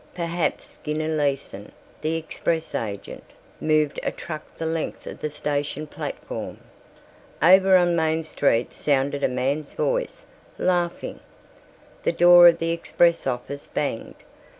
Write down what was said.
Perhaps Skinner Leason, the express agent, moved a truck the length of the station platform. Over on Main Street sounded a man's voice, laughing. The door of the express office banged.